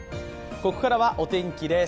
ここからはお天気です。